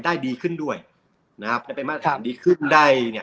ได้ดีขึ้นด้วยนะครับถ้าเป็นมาตรฐานดีขึ้นได้เนี่ย